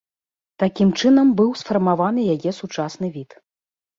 Такім чынам быў сфармаваны яе сучасны від.